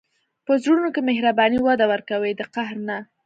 په زړونو کې مهرباني وده ورکوي، د قهر نه.